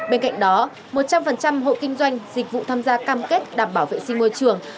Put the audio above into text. bên cạnh đó một trăm linh hộ kinh doanh dịch vụ tham gia cam kết đảm bảo vệ sinh môi trường